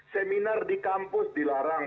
seminar di kampus dilarang